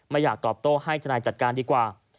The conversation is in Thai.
อยากตอบโต้ให้ธนายจัดการดีกว่า